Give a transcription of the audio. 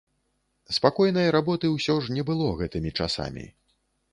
Спакойнай работы ўсё ж не было гэтымі часамі.